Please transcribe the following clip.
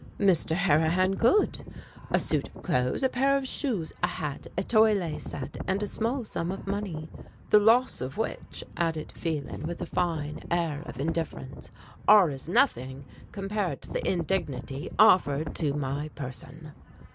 Mr. Harrihan could. A suit of clothes, a pair of shoes, a hat, a toilet set, and a small sum of money; "the loss of which," added Phelan with a fine air of indifference, "are as nothing compared to the indignity offered to my person."